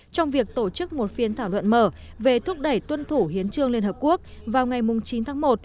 trong việc tổ chức một phiên thảo luận mở về thúc đẩy tuân thủ hiến trương liên hợp quốc vào ngày chín tháng một